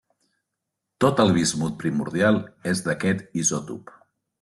Tot el bismut primordial és d'aquest isòtop.